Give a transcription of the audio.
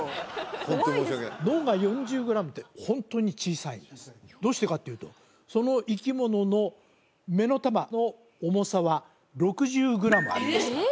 ホントに申し訳ない脳が４０グラムって本当に小さいんですどうしてかっていうとその生き物の目の玉の重さは６０グラムありますからえ！